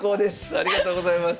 ありがとうございます。